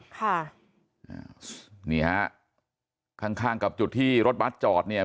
ค่ะอ่านี่ฮะข้างข้างกับจุดที่รถบัสจอดเนี่ย